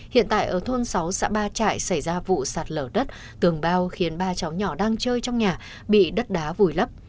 hiện tại ở thôn sáu xã ba trại xảy ra vụ sạt lở đất tường bao khiến ba cháu nhỏ đang chơi trong nhà bị đất đá vùi lấp